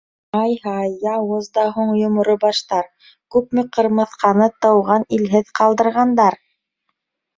Ай-һай, яуыз да һуң Йомро баштар, күпме ҡырмыҫҡаны тыуған илһеҙ ҡалдырғандар.